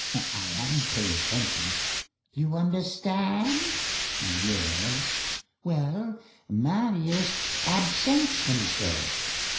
"I am paying attention." "You understand?" "Yes." "Well, Marius absents himself!"